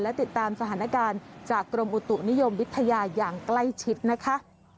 และติดตามสถานการณ์จากกรมอุตุนิยมวิทยาอย่างใกล้ชิดนะคะ